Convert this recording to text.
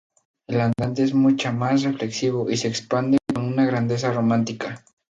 El andante es mucha más reflexivo y se expande con una grandeza romántica.